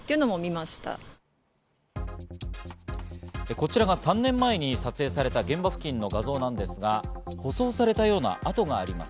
こちらが３年前に撮影された現場付近の画像なんですが舗装されたような跡があります。